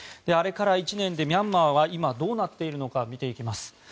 あれから１年でミャンマーは今どうなっているのか見ていきます。